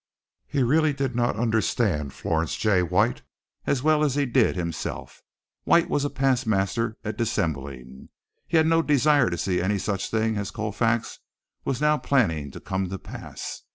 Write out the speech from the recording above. He really did not understand Florence J. White as well as he did himself. White was a past master at dissembling. He had no desire to see any such thing as Colfax was now planning come to pass.